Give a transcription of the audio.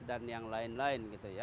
dan yang lain lain